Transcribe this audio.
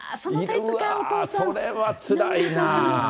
それはつらいな。